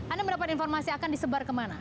anda mendapat informasi akan disebar kemana